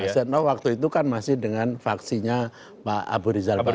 setno waktu itu kan masih dengan vaksinya pak abu rizal badmin